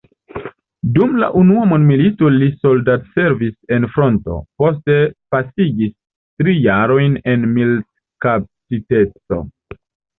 Dum la unua mondmilito li soldatservis en fronto, poste pasigis tri jarojn en militkaptiteco.